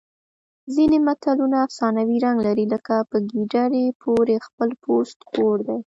ځینې متلونه افسانوي رنګ لري لکه په ګیدړې پورې خپل پوست اور دی